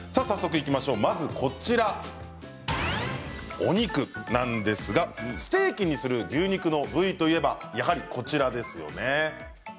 まず、お肉なんですがステーキにする牛肉の部位といえば、やはりこちらですよね。